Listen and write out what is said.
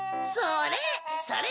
それ。